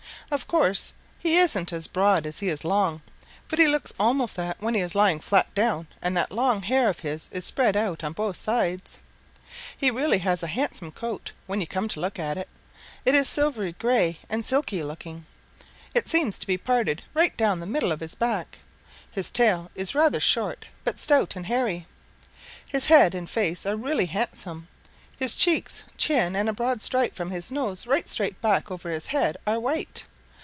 Of course, he isn't as broad as he is long, but he looks almost that when he is lying flat down and that long hair of his is spread out on both sides. He really has a handsome coat when you come to look at it. It is silvery gray and silky looking. It seems to be parted right down the middle of his back. His tail is rather short, but stout and hairy. His head and face are really handsome. His cheeks, chin and a broad stripe from his nose right straight back over his head are white.